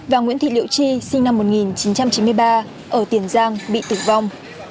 và nguyễn thị liệu chi sinh năm một nghìn chín trăm chín mươi ba ở tiền giang bị tử vong